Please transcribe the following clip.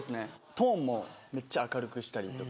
トーンもめっちゃ明るくしたりとか。